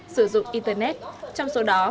sử dụng internet trong số đó